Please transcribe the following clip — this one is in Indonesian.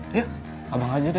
ya abang ajarin ya